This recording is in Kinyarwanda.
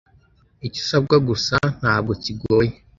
Icyo usabwa gusa ntabwo kigoye